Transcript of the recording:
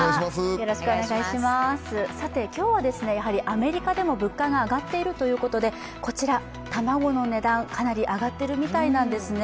今日はやはりアメリカでも物価が上がっているということでこちら、卵の値段、かなり上がっているみたいなんですね。